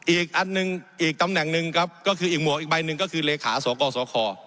อีกอันหนึ่งอีกตำแหน่งหนึ่งครับก็คืออีกหมวกอีกใบหนึ่งก็คือเลขาสกสค